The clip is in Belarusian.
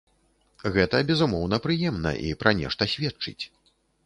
Гэта, безумоўна, прыемна, і пра нешта сведчыць.